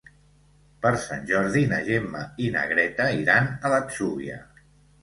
Per Sant Jordi na Gemma i na Greta iran a l'Atzúbia.